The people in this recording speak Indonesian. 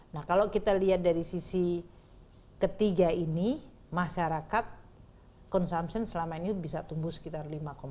nah kalau kita lihat dari sisi ketiga ini masyarakat consumption selama ini bisa tumbuh sekitar lima empat